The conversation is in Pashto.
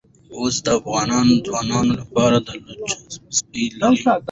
اوښ د افغان ځوانانو لپاره دلچسپي لري.